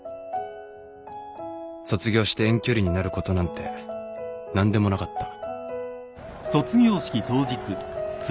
卒業して遠距離になることなんて何でもなかった